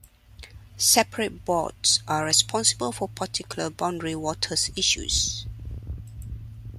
Separate boards are responsible for particular boundary waters issues.